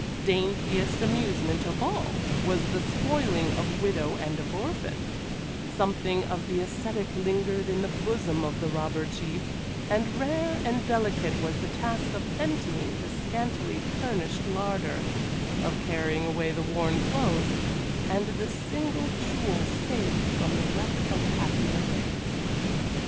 Daintiest amusement of all was the spoiling of widow and of orphan: something of the ascetic lingered in the bosom of the Robber Chief, and rare and delicate was the task of emptying the scantily furnished larder, of carrying away the worn clothes, and the single jewel saved from the wreck of happier days.